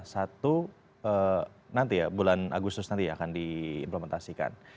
satu nanti ya bulan agustus nanti akan diimplementasikan